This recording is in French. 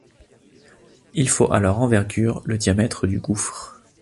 Il faut à leurs envergures le diamètre du gouffre.